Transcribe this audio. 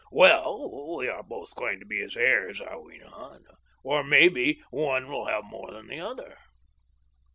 " Well, we are both going to be his heirs, are we not ?— or, may be, one will have more than the other.